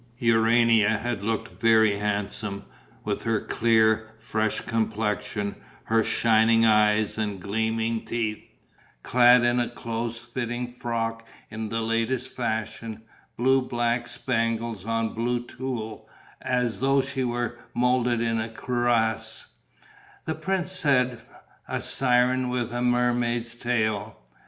Urania had looked very handsome, with her clear, fresh complexion, her shining eyes and gleaming teeth, clad in a close fitting frock in the latest fashion, blue black spangles on black tulle, as though she were moulded in a cuirass: the prince said, a siren with a mermaid's tail.